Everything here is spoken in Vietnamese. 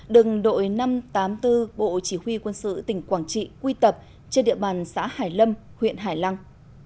đừng đội năm trăm tám mươi bốn bộ chỉ huy quân sự tỉnh quảng trị quy tập trên địa bàn xã hải lâm huyện hải lăng